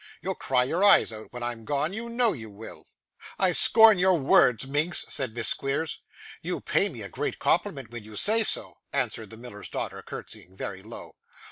'You'll cry your eyes out, when I'm gone; you know you will.' 'I scorn your words, Minx,' said Miss Squeers. 'You pay me a great compliment when you say so,' answered the miller's daughter, curtseying very low.